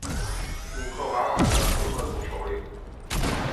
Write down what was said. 姆克瓦瓦的赫赫族首领。